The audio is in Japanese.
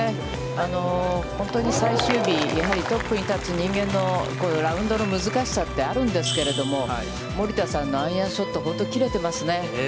本当に最終日、やはりトップに立つ人間のラウンドの難しさってあるんですけれども、森田さんのアイアンショット、本当に切れてますね。